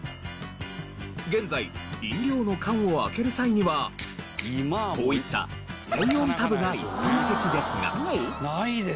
現在飲料の缶を開ける際にはこういったステイオンタブが一般的ですが。